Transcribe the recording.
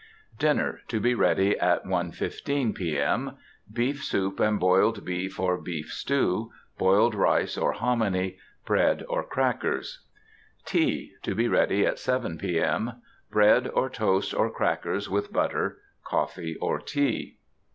DINNER. To be ready at 1.15 P. M. Beef Soup and Boiled Beef or Beef Stew. Boiled Rice or Hominy. Bread or Crackers. TEA. To be ready at 7 P. M. Bread or Toast or Crackers, with Butter. Coffee or Tea.